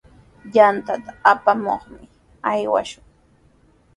Yantata apamunapaq aywashun.